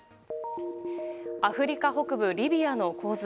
アフリカ北部リビアの洪水。